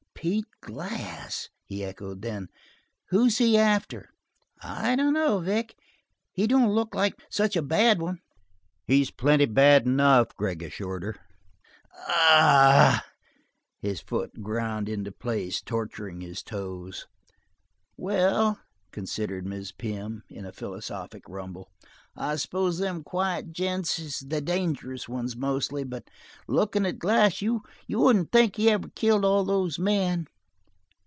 "Pete Glass!" he echoed. Then: "Who's he after?" "I dunno. Vic, he don't look like such a bad one." "He's plenty bad enough," Gregg assured her. "Ah h h!" His foot ground into place, torturing his toes. '"Well," considered Mrs. Pym, in a philosophic rumble, "I s'pose them quiet gents is the dangerous ones, mostly; but looking at Glass you wouldn't think he'd ever killed all those men.